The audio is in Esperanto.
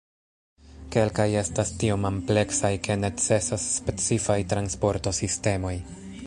Kelkaj estas tiom ampleksaj ke necesas specifaj transporto-sistemoj.